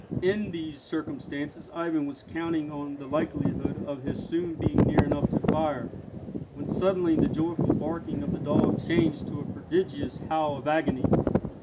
In these circumstances Ivan was counting on the likelihood of his soon being near enough to fire, when suddenly the joyful barking of the dog changed to a prodigious howl of agony.